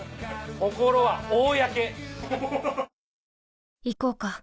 心は公！